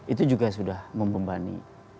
itu juga sudah membebani